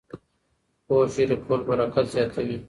پوهه شریکول برکت زیاتوي.